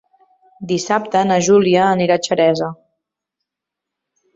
Dissabte na Júlia anirà a Xeresa.